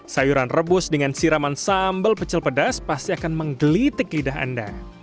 sayuran rebus dengan siraman sambal pecel pedas pasti akan menggelitik lidah anda